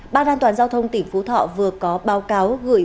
ban an toàn giao thông tỉnh phú thọ vừa có báo cáo gửi